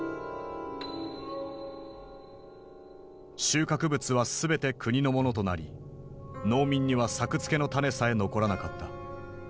収穫物は全て国のものとなり農民には作付けの種さえ残らなかった。